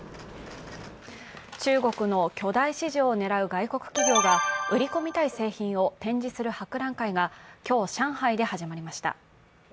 中国の巨大市場を狙う外国企業が売り込みたい製品を展示する博覧会が今日、上海で始まりました。